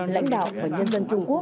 lãnh đạo và nhân dân trung quốc